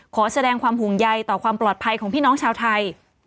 ขอแสดงความห่วงใยต่อความปลอดภัยของพี่น้องชาวไทย